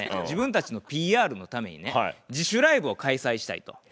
自分たちのＰＲのためにね自主ライブを開催したいと。